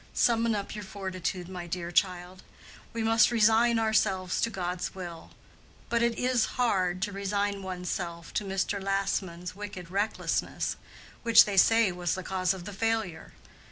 Summon up your fortitude, my dear child; we must resign ourselves to God's will. But it is hard to resign one's self to Mr. Lassman's wicked recklessness, which they say was the cause of the failure.